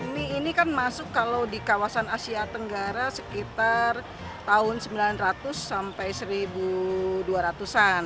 mie ini kan masuk kalau di kawasan asia tenggara sekitar tahun sembilan ratus sampai seribu dua ratus an